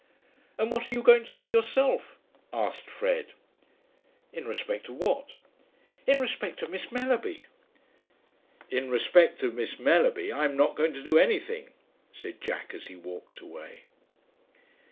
"And what are you going to do yourself?" asked Fred. "In respect of what?" "In respect of Miss Mellerby?" "In respect of Miss Mellerby I am not going to do anything," said Jack as he walked away.